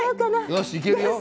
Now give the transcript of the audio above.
よし、いけるよ。